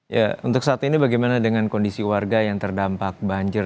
ya untuk saat ini bagaimana dengan kondisi warga yang terdampak banjir